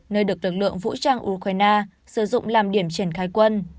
nơi được lực lượng vũ trang ukraine sử dụng làm điểm triển khai quân